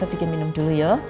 kita bikin minum dulu ya